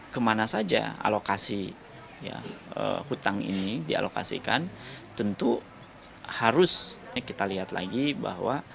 kemana saja alokasi hutang ini dialokasikan tentu harus kita lihat lagi bahwa